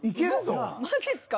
マジっすか？